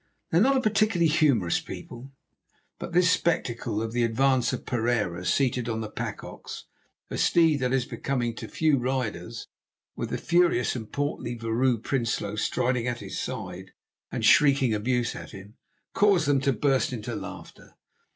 They are not a particularly humorous people, but this spectacle of the advance of Pereira seated on the pack ox, a steed that is becoming to few riders, with the furious and portly Vrouw Prinsloo striding at his side and shrieking abuse at him, caused them to burst into laughter.